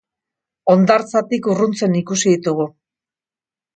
Hondartzatik urruntzen ikusi ditugu.